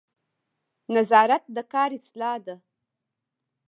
نظارت د کار اصلاح ده